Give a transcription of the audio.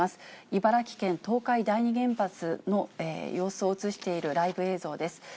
茨城県東海第二原発の様子を写しているライブ映像です。